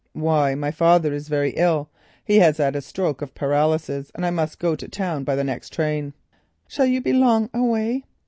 "Why, my father is very ill. He has had a stroke of paralysis, and I must go to town by the next train." "Shall you be long away?"